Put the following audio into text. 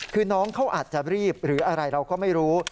คือน้องเขาอาจจะรีบหรืออะไรเราก็ไม่รู้